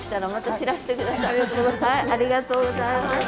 ありがとうございます。